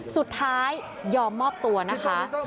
สุดท้ายยอมมอบตัวนะคะ